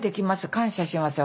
感謝しますよ